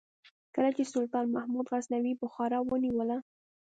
کله چې سلطان محمود غزنوي بخارا ونیوله.